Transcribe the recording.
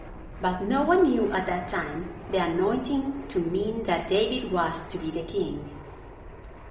But no one knew at that time the anointing to mean that David was to be the king.